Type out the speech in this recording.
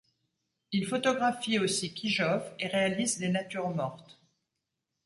Il photographie aussi Kyjov et réalise des natures mortes.